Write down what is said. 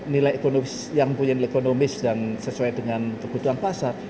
nilai ekonomis yang punya nilai ekonomis dan sesuai dengan kebutuhan pasar